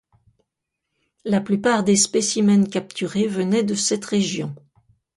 La plupart des spécimens capturés venaient de cette région.